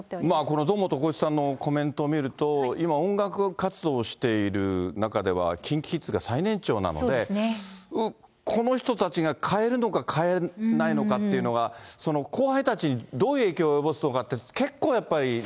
これ、堂本光一さんのコメントを見ると、今、音楽活動をしている中では、ＫｉｎＫｉＫｉｄｓが最年長なので、この人たちが変えるのか変えないのかっていうのが、後輩たちにどう影響を及ぼすのかって、結構やっぱりね。